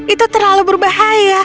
itu terlalu berbahaya